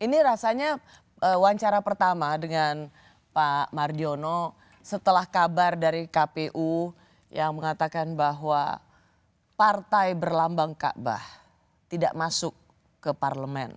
ini rasanya wawancara pertama dengan pak mardiono setelah kabar dari kpu yang mengatakan bahwa partai berlambang kaabah tidak masuk ke parlemen